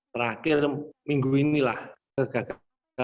terakhir minggu inilah kegagalan